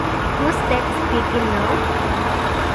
Who's that speaking now?